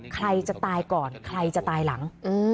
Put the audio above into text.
ใครจะตายก่อนใครจะตายหลัง